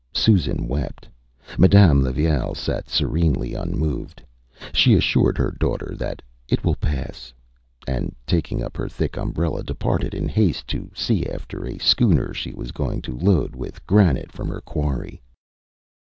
Susan wept. Madame Levaille sat serenely unmoved. She assured her daughter that ÂIt will pass;Â and taking up her thick umbrella, departed in haste to see after a schooner she was going to load with granite from her quarry.